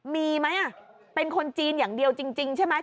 มีไหมเป็นคนจีนอย่างเดียวจริงใช่ไหม